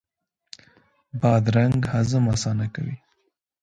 بادرنګ هضم اسانه کوي.